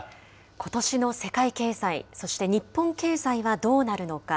ことしの世界経済、そして日本経済はどうなるのか。